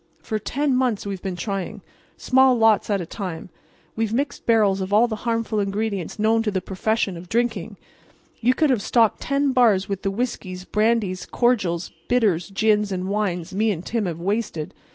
For ten months we've been trying. Small lots at a time, we've mixed barrels of all the harmful ingredients known to the profession of drinking. Ye could have stocked ten bars with the whiskies, brandies, cordials, bitters, gins and wines me and Tim have wasted.